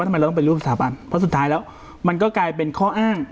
ทำไมเราต้องเป็นรูปสถาบันเพราะสุดท้ายแล้วมันก็กลายเป็นข้ออ้าง